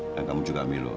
dan kamu juga milo